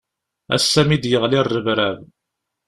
Ass-a mi d-yeɣli rrebrab.